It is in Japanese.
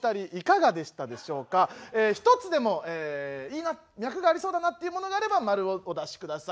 １つでもいいな脈がありそうだなっていうものがあれば丸をお出し下さい。